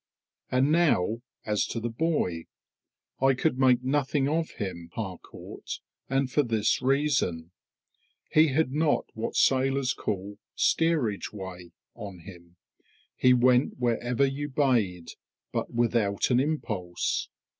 And now, as to the boy, I could make nothing of him, Harcourt; and for this reason, he had not what sailors call "steerage way" on him. He went wherever you bade, but without an impulse.